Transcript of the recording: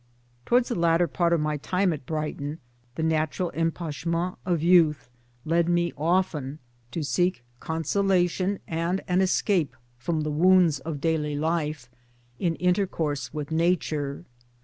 Towards the later part of my tim'e at Brighton the natural epanchement of youth led me often to MY DAYS AND DREAMS seek consolation and an escape from the wounds of daily life in intercourse with Nature.